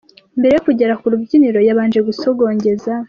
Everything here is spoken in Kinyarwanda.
Mbere yo kugera ku rubyiniro, yabanje gusogongeza